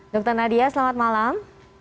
dokter nadia selamat malam